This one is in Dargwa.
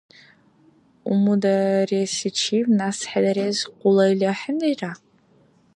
Умударесичиб нясхӀедарес къулайли ахӀенрира?